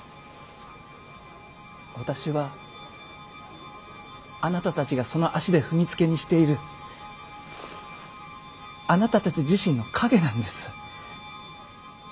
私はあなたたちがその足で踏みつけにしているあなたたち自身の影なんです。